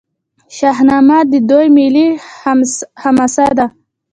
شاهنامه د دوی ملي حماسه ده.